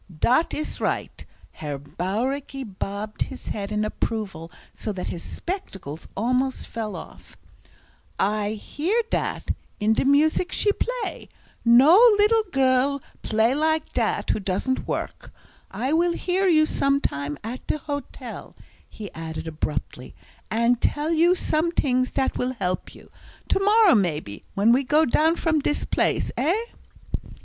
"Dat is right." Herr Bauricke bobbed his head in approval, so that his spectacles almost fell off. "I hear dat, in de music she play. No leedle girl play like dat, who doesn't work. I will hear you sometime at de hotel," he added abruptly, "and tell you some tings dat will help you. To morrow, maybe, when we go down from dis place, eh?"